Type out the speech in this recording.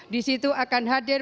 disitu akan hadir